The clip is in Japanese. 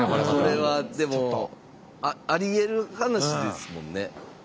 これはでもありえる話ですもんね。